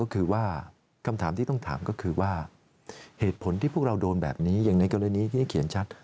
ก็คือว่าคำถามที่ต้องถามก็คือว่าเหตุผลที่พวกเราโดนแบบนี้อย่างในกรณีที่เขียนชัด